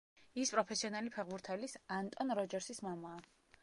ის პროფესიონალი ფეხბურთელის, ანტონ როჯერსის მამაა.